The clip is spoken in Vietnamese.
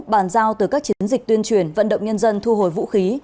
bàn giao từ các chiến dịch tuyên truyền vận động nhân dân thu hồi vũ khí